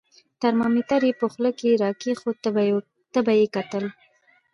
ترمامیتر یې په خوله کې را کېښود، تبه یې کتل.